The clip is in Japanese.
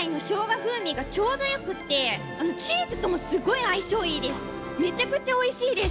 風味がちょうどよくって、チーズともすごい相性いいです。